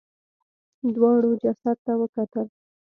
دواړو جسد ته وکتل.